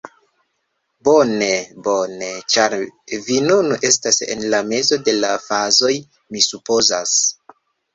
Bone, bone, ĉar vi nun estas en la mezo de la fazoj mi supozas.